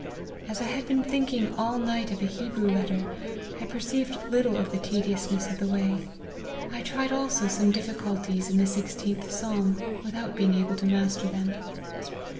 As I had been thinking all night of a Hebrew letter, I perceived little of the tedious ness of the way. I tried also some difficulties in LIFE OF HENRY MARTYN. 183 the 16th Psalm, without being able to master them.